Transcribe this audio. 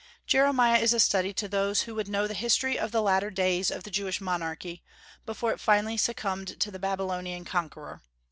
Jeremiah is a study to those who would know the history of the latter days of the Jewish monarchy, before it finally succumbed to the Babylonian conqueror.